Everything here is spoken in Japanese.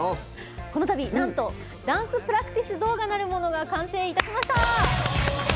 このたび、なんとダンスプラクティス動画なるものが完成いたしました！